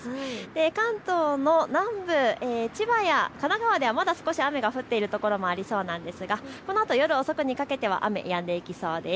関東の南部、千葉や神奈川ではまだ少し雨が降っている所もありそうなんですが、このあと夜遅くにかけては雨、やんでいきそうです。